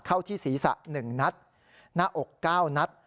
เข้าที่ศีรษะ๑นัดหน้าอก๙นัด